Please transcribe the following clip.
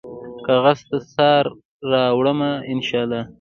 کاغذ ته سا راوړمه ، ان شا الله